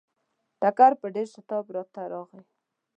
ټکر په ډېر شتاب ورته راغی.